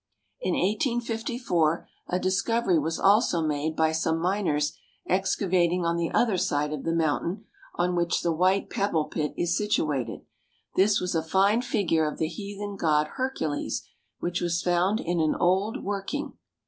In 1854 a discovery was also made by some miners excavating on the other side of the mountain on which the White Pebble Pit is situated; this was a fine figure of the heathen god Hercules, which was found in an old working.